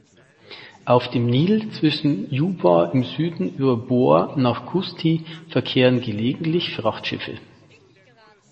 Auf dem Nil zwischen Juba im Süden über Bor nach Kusti verkehren gelegentlich Frachtschiffe.